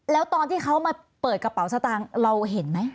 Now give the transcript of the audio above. แล้วตอนที่เขามาเปิดกระเป๋าสตางค์เราเห็นไหม